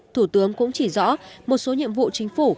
thủ tướng cũng chỉ rõ một số nhiệm vụ chính phủ